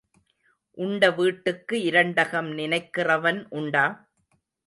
உண்ட வீட்டுக்கு இரண்டகம் நினைக்கிறவன் உண்டா?